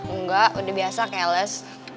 enggak udah biasa keles